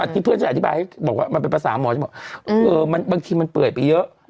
เพื่อนฉันอธิบายให้บอกว่ามันเป็นภาษาหมอฉันบอกบางทีมันเปื่อยไปเยอะ